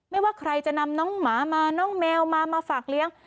ว่าใครจะนำน้องหมามาน้องแมวมามาฝากเลี้ยง